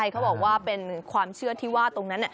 เขาบอกว่าเป็นความเชื่อที่ว่าตรงนั้น